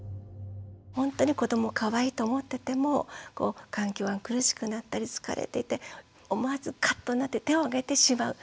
本当に子どもかわいいと思ってても環境が苦しくなったり疲れていて思わずカッとなって手をあげてしまう。